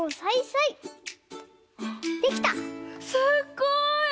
すっごい！